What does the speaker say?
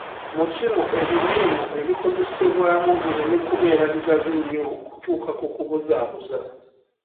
Mu kino, ebimiimo ebikozesebwamu bireme kubeera bigazi nnyo kutuuka ku kubuzaabuza.